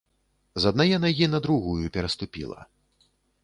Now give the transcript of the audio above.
З аднае нагі на другую пераступіла.